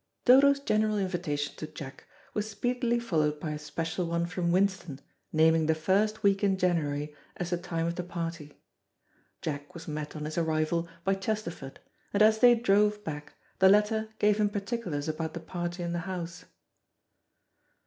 Dodo's general invitation to Jack was speedily followed by a special one from Winston, naming the first week in January as the time of the party. Jack was met on his arrival by Chesterford, and as they drove back the latter gave him particulars about the party in the house.